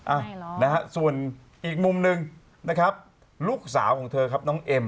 นะฮะส่วนอีกมุมหนึ่งนะครับลูกสาวของเธอครับน้องเอ็ม